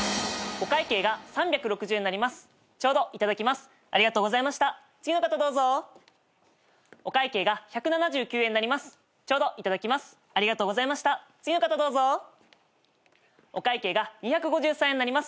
お会計が２５３円になります。